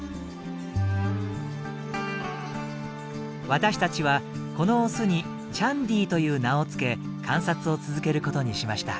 私たちはこのオスに「チャンディー」という名を付け観察を続けることにしました。